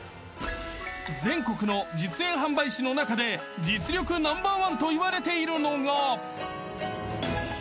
［全国の実演販売士の中で実力Ｎｏ．１といわれているのが］